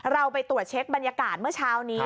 เราไปตรวจเช็คบรรยากาศเมื่อเช้านี้